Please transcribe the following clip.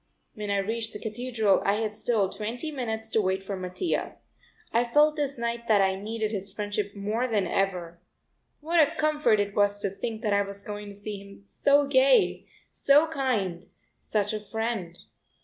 When I reached the Cathedral I had still twenty minutes to wait for Mattia. I felt this night that I needed his friendship more than ever. What a comfort it was to think that I was going to see him so gay, so kind, such a friend!